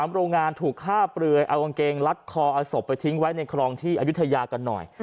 โรงงานถูกฆ่าเปลือยเอากางเกงลัดคอเอาศพไปทิ้งไว้ในครองที่อายุทยากันหน่อย